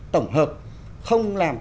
tổng hợp không làm